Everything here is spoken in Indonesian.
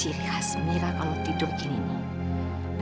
ciri khas mira kalau tidur gini nih